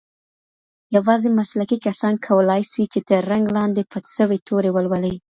یوازي مسلکي کسان کولای سي چي تر رنګ لاندي پټ سوي توري ولولي.